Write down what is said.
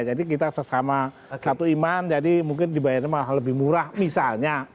jadi kita sesama satu iman jadi mungkin dibayarnya malah lebih murah misalnya